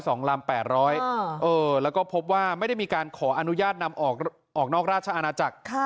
ลำแปดร้อยเออแล้วก็พบว่าไม่ได้มีการขออนุญาตนำออกนอกราชอาณาจักร